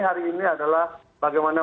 hari ini adalah bagaimana